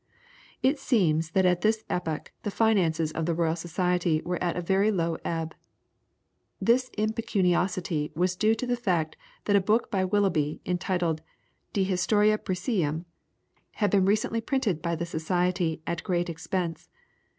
It seems that at this epoch the finances of the Royal Society were at a very low ebb. This impecuniosity was due to the fact that a book by Willoughby, entitled "De Historia Piscium," had been recently printed by the society at great expense.